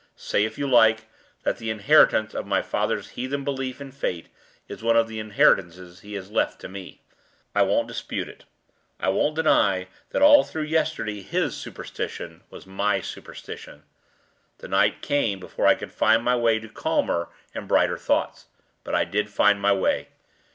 Say, if you like, that the inheritance of my father's heathen belief in fate is one of the inheritances he has left to me. I won't dispute it; I won't deny that all through yesterday his superstition was my superstition. The night came before I could find my way to calmer and brighter thoughts. But I did find my way.